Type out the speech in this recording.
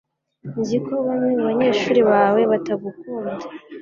Nzi ko bamwe mubanyeshuri bawe batagukunda.